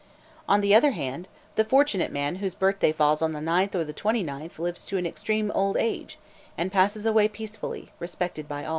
On the other hand, the fortunate man whose birthday falls on the 9th or the 29th lives to an extreme old age, and passes away peacefully, respected by all.